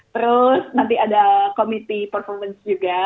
terus nanti ada komite performance juga